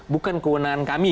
bukan kewenangan kami